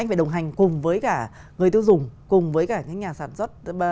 người tiêu dùng cùng với cả cái nhà sản xuất